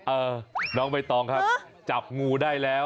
เออน้องใบตองครับจับงูได้แล้ว